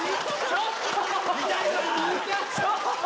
ちょっと！